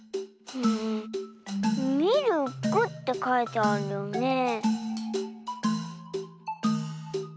「みるく」ってかいてあるよねえ。